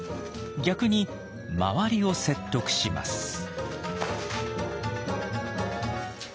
逆に周りを説得します。